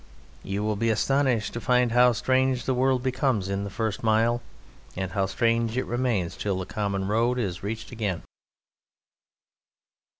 You will be astonished to find how strange the world becomes in the first mile and how strange it remains till the common road is reached again.